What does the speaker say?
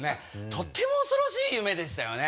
とっても恐ろしい夢でしたよね。